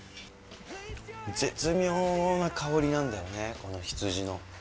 絶妙な香りなんだよね、ひつじの。